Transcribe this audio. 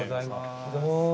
おはようございます。